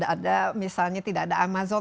ada misalnya tidak ada amazon